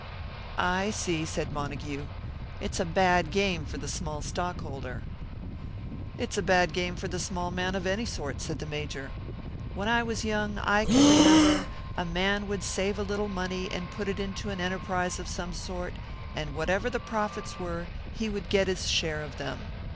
"I see," said Montague. "It's a bad game for the small stockholder." "It's a bad game for the small man of any sort," said the Major. "When I was young, I can remember, a man would save a little money and put it into an enterprise of some sort, and whatever the profits were, he would get his share of them.